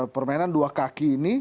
permainan dua kaki ini